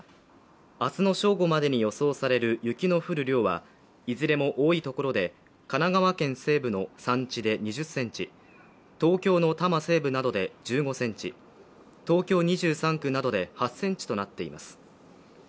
明日の正午までに予想される雪の量は、いずれも多い所で、神奈川県西部の山地で２０ｃｍ、東京の多摩西部などで１５ｃｍ、東京２３区などで８ｃｍとなっています